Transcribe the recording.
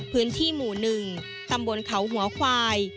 พื้นที่หมู่๑ตำบลเขาหัวควาย